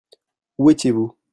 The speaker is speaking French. Où étiez-vous ?